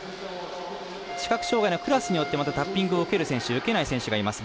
視覚障がいのクラスによってタッピングを受ける選手受けない選手がいます。